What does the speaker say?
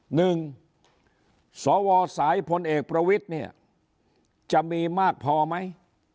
หนึ่งสอวรสายพลเอกประวิทเนี่ยจะมีมากพอไหม